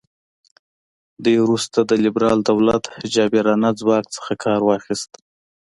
دوی وروسته د لیبرال دولت جابرانه ځواک څخه کار واخیست.